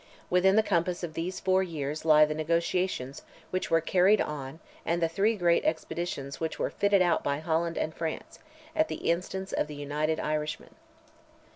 Within the compass of those four years lie the negotiations which were carried on and the three great expeditions which were fitted out by France and Holland, at the instance of the United Irishmen.